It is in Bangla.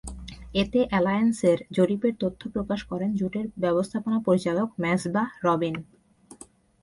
এতে অ্যালায়েন্সের জরিপের তথ্য প্রকাশ করেন জোটের ব্যবস্থাপনা পরিচালক মেসবাহ রবিন।